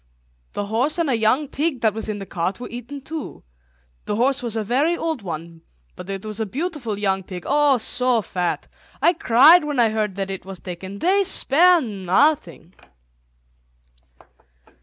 The horse and a young pig that was in the cart were eaten too. The horse was a very old one, but it was a beautiful young pig, oh, so fat. I cried when I heard that it was taken. They spare nothing."